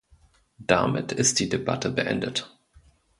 Damit ist die Debatte beendet.